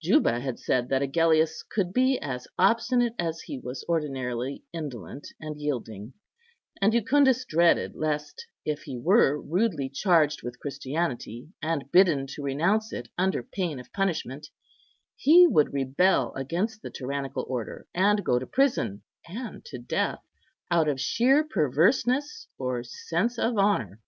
Juba had said that Agellius could be as obstinate as he was ordinarily indolent and yielding, and Jucundus dreaded lest, if he were rudely charged with Christianity, and bidden to renounce it under pain of punishment, he would rebel against the tyrannical order, and go to prison and to death out of sheer perverseness or sense of honour.